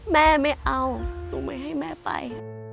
แม่ไม่เอาหนูไม่ให้แม่ไป